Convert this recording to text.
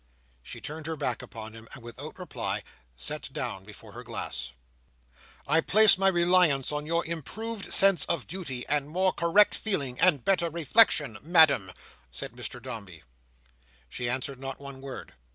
She turned her back upon him, and, without reply, sat down before her glass. "I place my reliance on your improved sense of duty, and more correct feeling, and better reflection, Madam," said Mr Dombey. She answered not one word.